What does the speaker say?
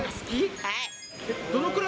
はい。